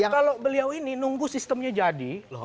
kalau beliau ini nunggu sistemnya jadi